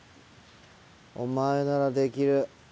お前ならできる。